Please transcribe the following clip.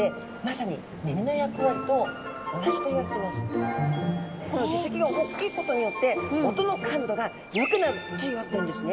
これはこの耳石が大きいことによって音の感度が良くなるというわけなんですね。